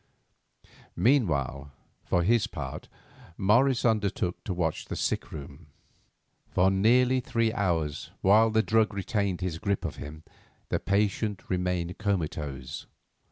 Meanwhile for his part, Morris undertook to watch in the sick room. For nearly three hours, while the drug retained its grip of him, the patient remained comatose.